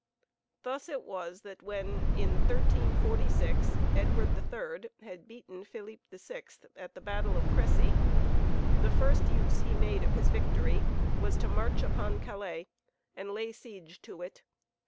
Thus it was that when, in 1346, Edward III had beaten Philippe VI at the battle of Crecy, the first use he made of his victory was to march upon Calais, and lay siege to it.